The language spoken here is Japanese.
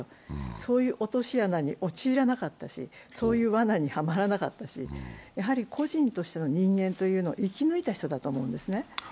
そういう落とし穴に陥らなかったしそういうわなにはまらなかったし、やはり個人としての人間というのを生き抜いた人だと思うんですね。